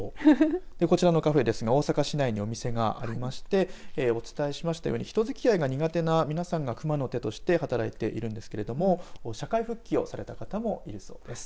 こちらのカフェですが大阪市内にお店がありましてお伝えしましたように人付き合いが苦手な皆さんがくまの手として働いているんですけれども社会復帰をされた方もいるそうです。